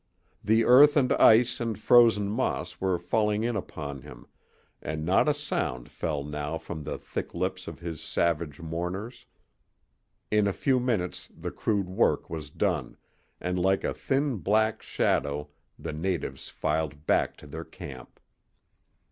The earth and ice and frozen moss were falling in upon him, and not a sound fell now from the thick lips of his savage mourners. In a few minutes the crude work was done, and like a thin black shadow the natives filed back to their camp.